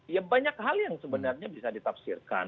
ya banyak hal yang sebenarnya bisa ditafsirkan